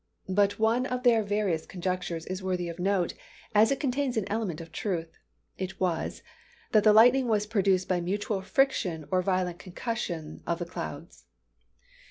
But one of their various conjectures is worthy of note, as it contains an element of truth. It was, that the lightning was produced by mutual friction or violent concussion of the clouds.